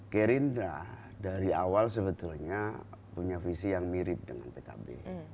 gerindra dari awal sebetulnya punya visi yang mirip dengan pkb